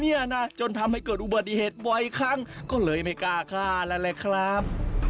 เนี่ยนะจนทำให้เกิดอุบัติเหตุบ่อยครั้งก็เลยไม่กล้าฆ่าแล้วแหละครับ